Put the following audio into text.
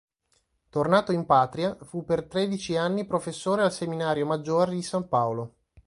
Tornato in patria, fu per tredici anni professore al seminario maggiore di San Paolo.